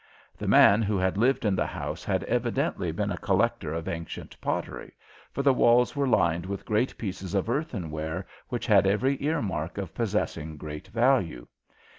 The man who had lived in the house had evidently been a collector of ancient pottery, for the walls were lined with great pieces of earthenware which had every earmark of possessing great value.